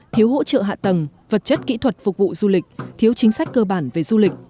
thiếu hỗ trợ hạ tầng vật chất kỹ thuật phục vụ du lịch thiếu chính sách cơ bản về du lịch